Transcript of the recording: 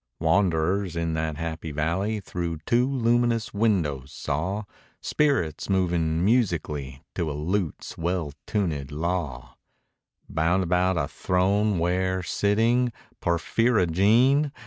Wanderers in that happy valley, Through two luminous windows, saw Spirits moving musically, To a lute's well tunëd law, Bound about a throne where, sitting (Porphyrogene!)